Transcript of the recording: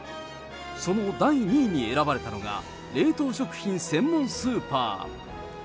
その第２位に選ばれたのが、冷凍食品専門スーパー。